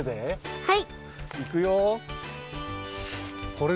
はい。